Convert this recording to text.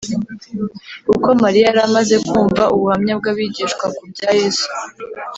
. Kuko Mariya yari amaze kumva ubuhamya bw’abigishwa ku bya Yesu